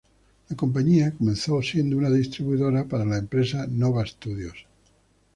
La compañía comenzó siendo una distribuidora para la empresa Nova Studios.